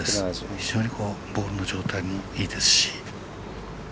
非常にボールの状態もいいですし。